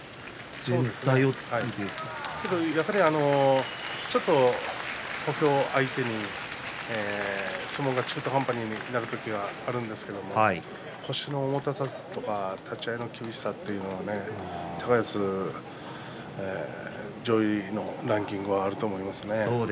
やはり、ちょっと小兵相手に相撲が中途半端になる時があるんですが腰の重たさとか立ち合いの厳しさ高安、上位のランキングはあると思います。